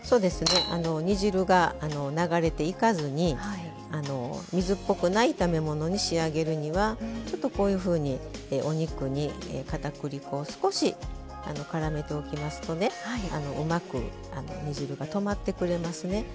煮汁が、流れていかずに水っぽくない炒め物に仕上げるにはちょっと、こういうふうにお肉に、かたくり粉を少し、からめておきますとうまく煮汁が止まってくれますね。